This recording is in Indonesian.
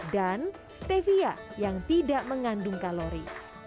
dan stevia yang tidak mengandung kalori